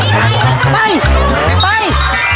ไปไปไป